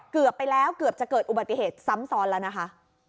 เกือบไปแล้วเกือบจะเกิดอุบัติเหตุซ้ำซ้อนแล้วนะคะ